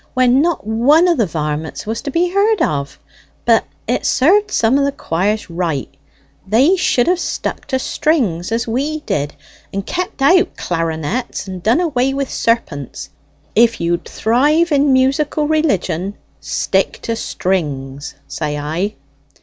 when not one of the varmits was to be heard of; but it served some of the quires right. They should have stuck to strings as we did, and kept out clarinets, and done away with serpents. If you'd thrive in musical religion, stick to strings, says I."